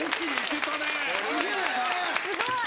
すごい。